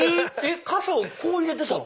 ⁉傘をこう入れてたの？